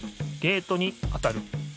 ゲートに当たる。